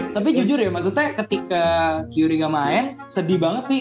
tapi jujur ya maksudnya ketika curiga main sedih banget sih